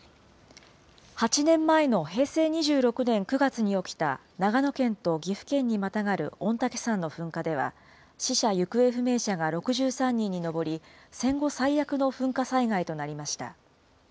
８年前の平成２６年９月に起きた、長野県と岐阜県にまたがる御嶽山の噴火では、死者・行方不明者が６３人に上り、戦後最悪の噴火災害となりました。